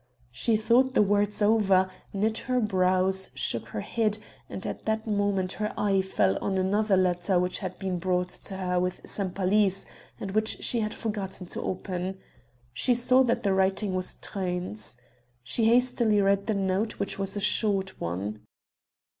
She thought the words over, knit her brows, shook her head and at that moment her eye fell on another letter which had been brought to her with Sempaly's, and which she had forgotten to open. She saw that the writing was Truyn's. She hastily read the note which was a short one.